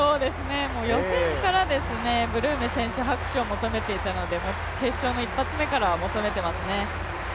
予選からブルーメ選手、拍手を求めていましたので決勝も１発目から求めていますね。